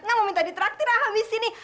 nggak mau minta diteraktir habis ini